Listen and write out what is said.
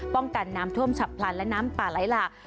กันน้ำท่วมฉับพลันและน้ำป่าไหลหลาก